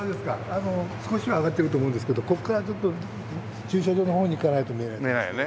あの少しは上がってると思うんですけどここからちょっと駐車場の方に行かないと見えないですね。